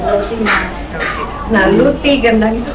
terus ini apa saja tepung tepung mentega ada ini luti